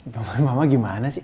ya mama gimana sih